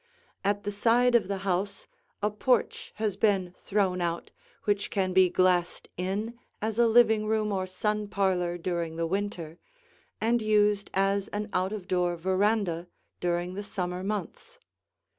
At the side of the house a porch has been thrown out which can be glassed in as a living room or sun parlor during the winter and used as an out of door veranda during the summer months.